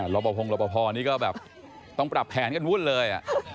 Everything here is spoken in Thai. รอปภงรบพอนี่ก็แบบต้องปรับแผนกันวุ่นเลย